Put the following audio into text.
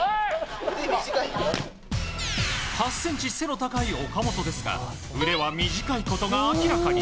８ｃｍ背の高い岡本ですが腕は短いことが明らかに。